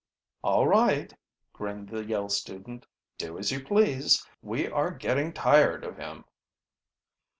"All right," grinned the Yale student. "Do, as you please. We are a getting tired of him."